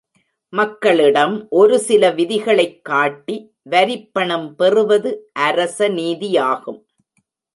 மக்களிடம் ஒருசில விதிகளைக் காட்டி வரிப்பணம் பெறுவது அரச நீதியாகும்.